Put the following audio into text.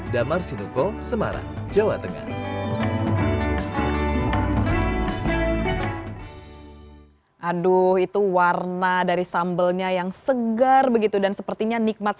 damar sinuko semarang jawa tengah